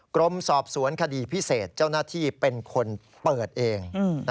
กรมสอบสวนคดีพิเศษเจ้าหน้าที่เป็นคนเปิดเอง